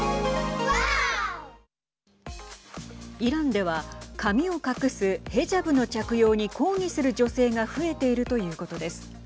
イランでは髪を隠すへジャブの着用に抗議する女性が増えているということです。